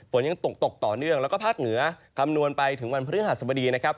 ฝนยังตกตกต่อเนื่องแล้วก็ภาคเหนือคำนวณไปถึงวันพฤหัสบดีนะครับ